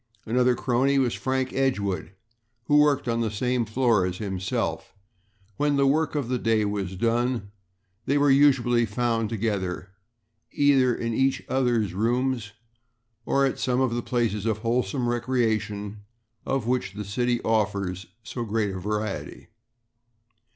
Another crony was Frank Edgewood, who worked on the same floor as himself. When the work of the day was done they were usually found together, either in each other's rooms or at some of the places of wholesome recreation of which the city offers so great a variety.